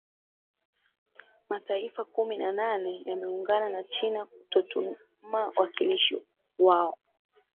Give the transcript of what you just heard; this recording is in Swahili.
mataifa kumi na nane yameungana na china kutotuma wakilishi wao